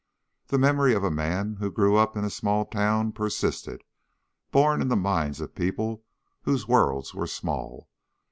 The memory of a man who grew up in a small town persisted, borne in the minds of people whose worlds were small.